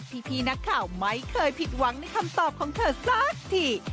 พี่นักข่าวไม่เคยผิดหวังในคำตอบของเธอสักที